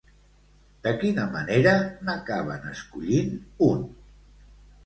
De quina manera n'acaben escollint un?